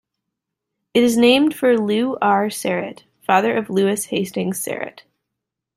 It is named for Lew R. Sarett, father of Lewis Hastings Sarett.